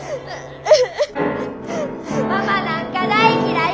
ママなんか大嫌い！